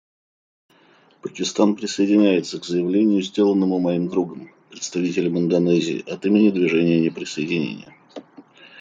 Пакистан присоединяется к заявлению, сделанному моим другом — представителем Индонезии — от имени Движения неприсоединения.